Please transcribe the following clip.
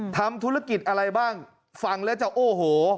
ทำธุรกิจอะไรบ้างฟังแล้วจะโอ้โห